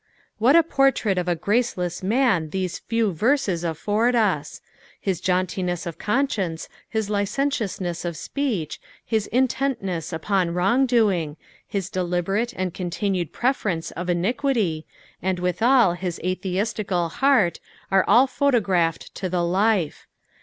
What a portrait of a faceless man these tew verses a&ord us ! His jauntiness of conscience, his licentiousness of speech, his intentnesa upon wrong doing, his deliberate and continued preference of iniquity, and withal his atheistical heart, are all photographed to the life.